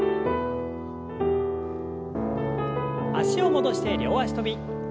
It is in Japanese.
脚を戻して両脚跳び。